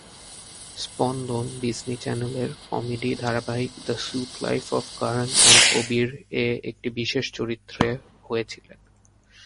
স্পন্দন ডিজনি চ্যানেলের কমেডি ধারাবাহিক "the suite life of Karan and কবির"-এ একটি বিশেষ চরিত্রে হয়েছিলেন।